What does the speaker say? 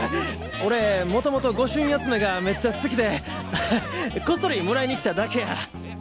俺元々御朱印集めがメッチャ好きでこっそりもらいに来ただけや。